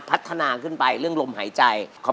พัฒนาขึ้นไปเรื่องลมหายใจขอบคุณครับ